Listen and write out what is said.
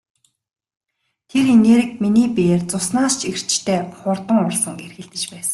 Тэр энерги миний биеэр цуснаас ч эрчтэй хурдан урсан эргэлдэж байсан.